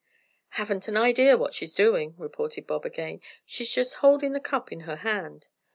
"Haven't an idea what she's doing," reported Bob again, "she's just holding the cup in her hand."